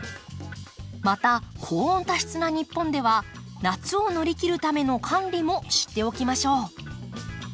また高温多湿な日本では夏を乗り切るための管理も知っておきましょう。